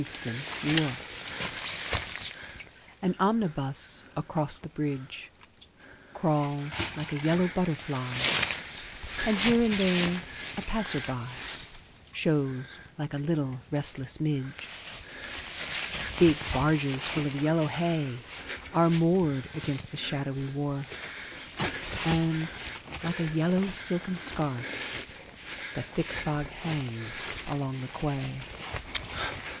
SYMPHONY IN YELLOW AN omnibus across the bridge Crawls like a yellow butterfly And, here and there, a passer by Shows like a little restless midge. Big barges full of yellow hay Are moored against the shadowy wharf, And, like a yellow silken scarf, The thick fog hangs along the quay.